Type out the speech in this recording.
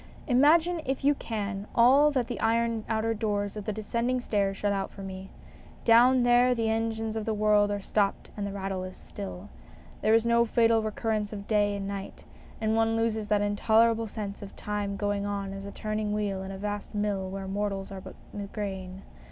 Imagine, if you can, all that the iron outer doors MINIATURES 247 of the descending stairs shut out for me. Down there the engines of the world are stopped and the rattle is still. There is no fatal recurrence of day and night, and one loses that intolerable sense of time going on as a turning wheel in a vast mill where mortals are but the grain.